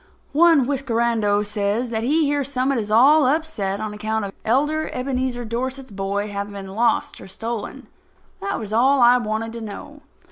One whiskerando says that he hears Summit is all upset on account of Elder Ebenezer Dorset's boy having been lost or stolen. That was all I wanted to know.